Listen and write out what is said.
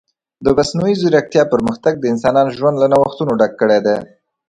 د مصنوعي ځیرکتیا پرمختګ د انسانانو ژوند له نوښتونو ډک کړی دی.